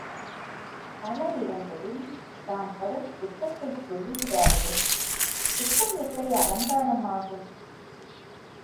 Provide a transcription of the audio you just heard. பல இடங்களில் தாம் படும் துக்கத்தைச் சொல்லுகிறாரே, துக்கம் எப்படி அலங்காரம் ஆகும்?